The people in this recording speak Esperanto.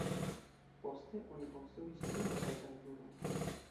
Poste oni konstruis pli malaltan turon.